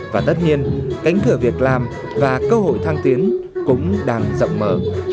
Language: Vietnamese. và tất nhiên cánh cửa việc làm và cơ hội thăng tiến cũng đang rộng mở